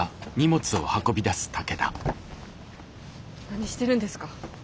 何してるんですか。